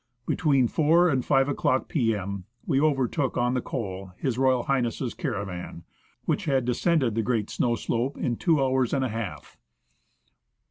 Between 4 and 5 o'clock p.m. we overtook on the col H.R.H.'s caravan, which had descended the great snow slope in two hours and a half.